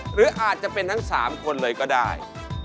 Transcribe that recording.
หรืออาจจะเป็นทั้ง๓คนเลยก็ได้